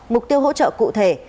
mục tiêu hỗ trợ cụ thể